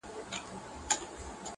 ستا د منزل د مسافرو قدر څه پیژني-